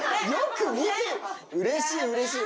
うれしいうれしい。